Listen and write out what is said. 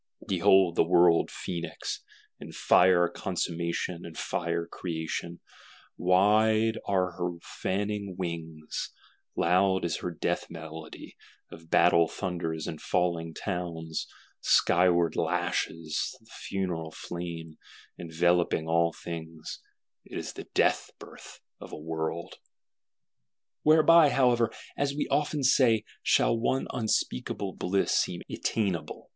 "Behold the World Phoenix, in fire consummation and fire creation; wide are her fanning wings; loud is her death melody, of battle thunders and falling towns; skyward lashes the funeral flame, enveloping all things: it is the Death Birth of a World!" Whereby, however, as we often say, shall one unspeakable blessing seem attainable.